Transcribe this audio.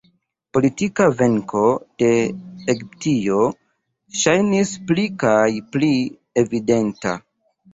Politika venko de Egiptio ŝajnis pli kaj pli evidenta.